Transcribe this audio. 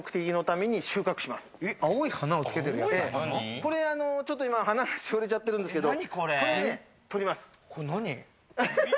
これはちょっと花がしおれちゃってるんですけど、これね、取ります。